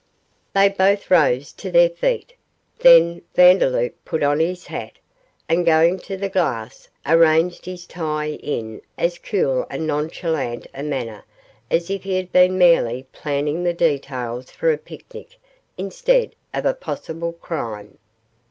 They both rose to their feet. Then Vandeloup put on his hat, and, going to the glass, arranged his tie in as cool and nonchalant a manner as if he had been merely planning the details for a picnic instead of a possible crime.